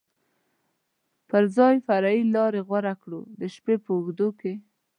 پر ځای فرعي لارې غوره کړو، د شپې په اوږدو کې.